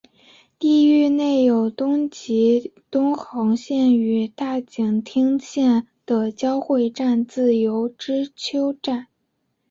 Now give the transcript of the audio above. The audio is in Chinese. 地域内有东急东横线与大井町线的交会站自由之丘站。